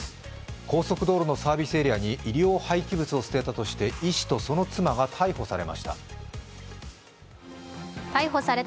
高速道路のサービスエリアに医療廃棄物を捨てたとして医師とその妻が逮捕されました。